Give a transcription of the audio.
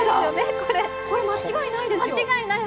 これ、間違いないですよ。